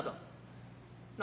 何。